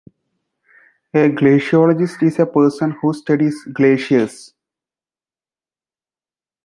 A glaciologist is a person who studies glaciers.